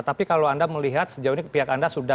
tapi kalau anda melihat sejauh ini pihak anda sudah